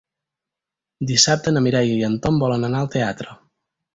Dissabte na Mireia i en Tom volen anar al teatre.